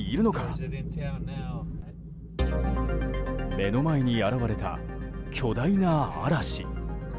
目の前に現れた巨大な嵐。